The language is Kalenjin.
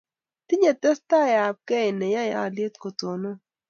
tinye testai ab kei ne yae alyet kotonon